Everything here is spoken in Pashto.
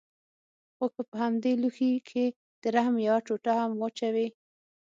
خو که په همدې لوښي کښې د رحم يوه ټوټه هم واچوې.